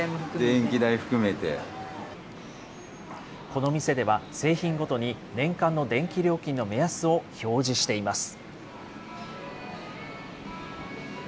この店では、製品ごとに年間の電気料金の目安を表示しています。